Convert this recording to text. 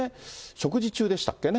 食事中でしたっけね。